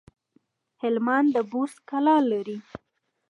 هلمند د بست کلا لري